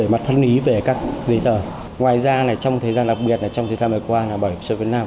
mặt thân ý về các giấy tờ ngoài ra trong thời gian đặc biệt trong thời gian này qua bảo hiểm xã hội việt nam